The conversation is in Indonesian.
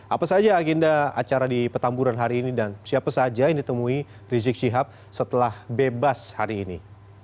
apa saja agenda acara di petamburan hari ini dan siapa saja yang ditemui rizik syihab setelah bebas hari ini